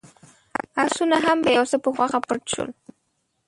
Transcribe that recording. آسونه هم بېرته يو څه په غوښه پټ شول.